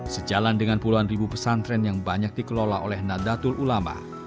sejalan dengan puluhan ribu pesantren yang banyak dikelola oleh nadatul ulama